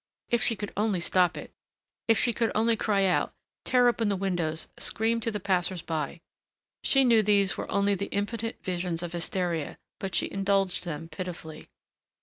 If she could only stop it! If she could only cry out, tear open the windows, scream to the passers by. She knew these were only the impotent visions of hysteria, but she indulged them pitifully.